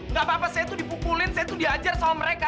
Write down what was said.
nggak apa apa saya itu dipukulin saya tuh diajar sama mereka